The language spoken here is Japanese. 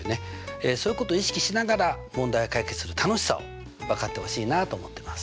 そういうことを意識しながら問題を解決する楽しさを分かってほしいなと思ってます。